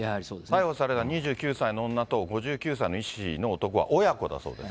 逮捕された２９歳の女と５９歳の医師の男は親子だそうです。